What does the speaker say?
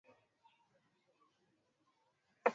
counsellor osborn amewataka wananchi kuendelea kuwa wavumilivu